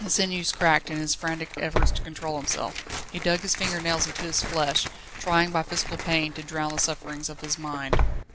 His sinews cracked in his frantic efforts to control himself; he dug his finger nails into his flesh, trying by physical pain to drown the sufferings of his mind.